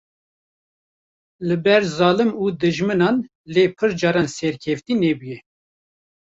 li ber zalim û dijminan lê pir caran serkeftî nebûye.